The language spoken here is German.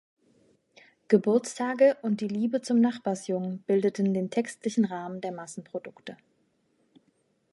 Geburtstage und die Liebe zum Nachbarsjungen bildeten den textlichen Rahmen der Massenprodukte.